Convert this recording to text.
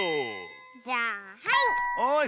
じゃあはい！